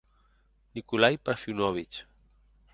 Nikolai Parfionovich.